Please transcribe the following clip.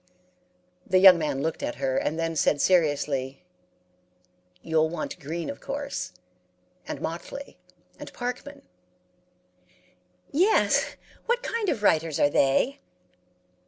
"The young man looked at her, and then said seriously, 'You'll want Green, of course, and Motley, and Parkman.' "'Yes. What kind of writers are they?'